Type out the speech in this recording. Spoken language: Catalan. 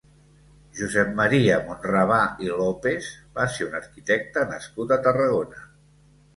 Josep Maria Monravà i López va ser un arquitecte nascut a Tarragona.